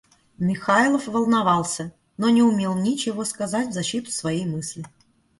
Михайлов волновался, но не умел ничего сказать в защиту своей мысли.